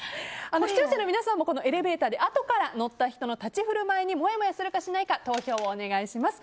視聴者の皆さんもエレベーターであとから乗った人の立ち居振る舞いに投票をお願いします。